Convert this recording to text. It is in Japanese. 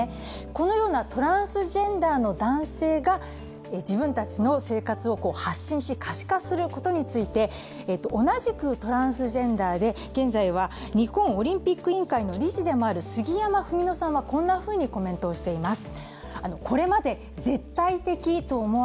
このようなトランスジェンダーの男性が自分たちの生活を発信し、可視化することについて同じくトランスジェンダーで現在は日本オリンピック委員会の理事でもある杉山文野さんはこんなふうにコメントしています。